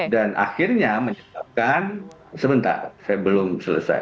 dan akhirnya menyebabkan sebentar saya belum selesai